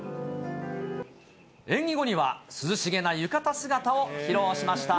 演技後には涼しげな浴衣姿を披露しました。